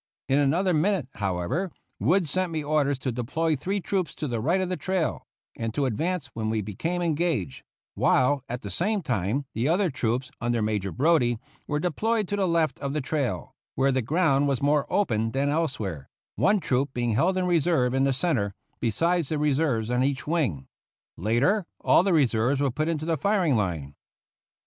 In another minute, however, Wood sent me orders to deploy three troops to the right of the trail, and to advance when we became engaged; while, at the same time, the other troops, under Major Brodie, were deployed to the left of the trail where the ground was more open than elsewhere one troop being held in reserve in the centre, besides the reserves on each wing. Later all the reserves were put into the firing line.